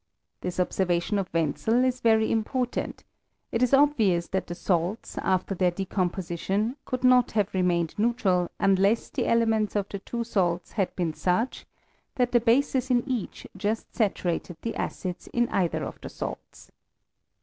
This observation of Wenzel is very important : it is obvious that the salts, after their decomposition, could not have re mained neutral unless the elements of the two salts had been such that the bases in each just saturated the acids in either of the salts.